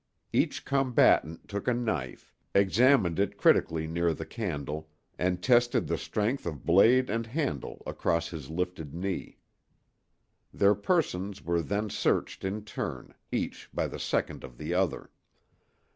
Each combatant took a knife, examined it critically near the candle and tested the strength of blade and handle across his lifted knee. Their persons were then searched in turn, each by the second of the other.